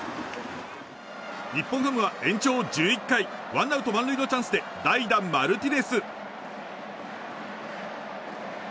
日本ハムは延長１１回ワンアウト満塁のチャンスで代打、マルティネス。